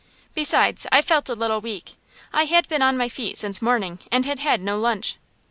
Besides, I felt a little weak. I had been on my feet since morning, and had had no lunch.